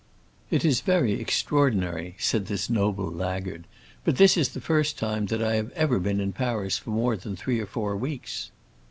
"It is very extraordinary," said this noble laggard, "but this is the first time that I have ever been in Paris for more than three or four weeks."